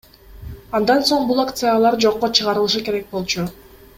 Андан соң бул акциялар жокко чыгарылышы керек болчу.